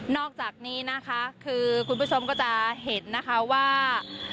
อกจากนี้นะคะคือคุณผู้ชมก็จะเห็นนะคะว่า